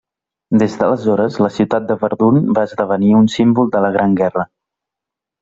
Des d’aleshores la ciutat de Verdun va esdevenir un símbol de la Gran Guerra.